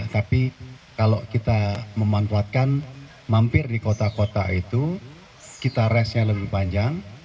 tapi kalau kita memanfaatkan mampir di kota kota itu kita race nya lebih panjang